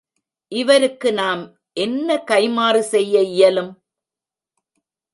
இவருக்கு நாம் என்ன கைம்மாறு செய்ய இயலும்?